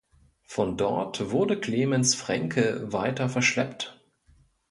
Von dort wurde Clemens Fränkel weiter verschleppt.